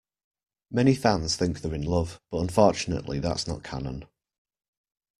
Many fans think they're in love, but unfortunately that's not canon.